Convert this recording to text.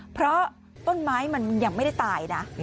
เพราะต้นไม้มันยังไม่ได้ตายนะ